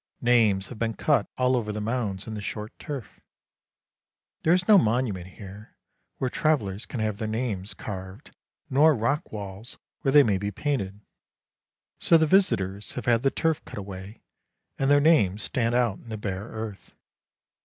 Names have been cut all over the mounds in the short turf. There is no monument here, where travellers can have their names carved, nor rock walls where they may be painted, so the visitors have had the turf cut away, and their names stand out in the bare earth.